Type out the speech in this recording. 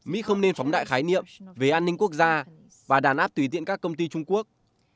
mỹ không nên phóng đại khái niệm về an ninh quốc gia và đàn áp tùy tiện các công ty trung quốc